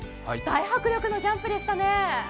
大迫力のジャンプでしたね。